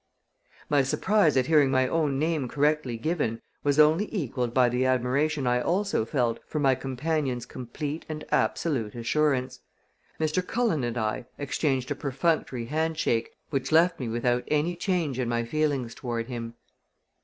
My surprise at hearing my own name correctly given was only equaled by the admiration I also felt for my companion's complete and absolute assurance. Mr. Cullen and I exchanged a perfunctory handshake, which left me without any change in my feelings toward him.